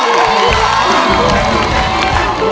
เพลงที่๑มูลค่า๑๐๐๐๐บาท